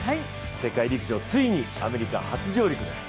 世界陸上、ついにアメリカ初上陸です。